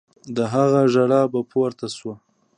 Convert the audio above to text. د هغه ژړا به پورته سوه.